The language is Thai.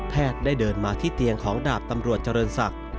ได้เดินมาที่เตียงของดาบตำรวจเจริญศักดิ์